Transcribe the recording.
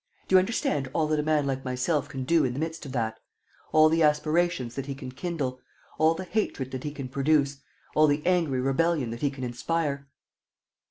... Do you understand all that a man like myself can do in the midst of that, all the aspirations that he can kindle, all the hatred that he can produce, all the angry rebellion that he can inspire?"